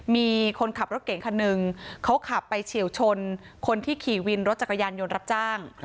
มีคนขับรถเก่งคันหนึ่งเขาขับไปเฉียวชนคนที่ขี่วินรถจักรยานยนต์รับจ้าง